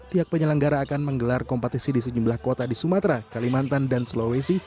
pihak penyelenggara akan menggelar kompetisi di sejumlah kota di sumatera kalimantan dan sulawesi